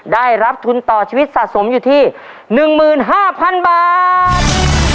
ได้รับทุนต่อชีวิตสะสมอยู่ที่หนึ่งหมื่นห้าพันบาท